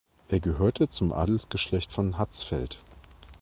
Er gehört zum Adelsgeschlecht von Hatzfeld.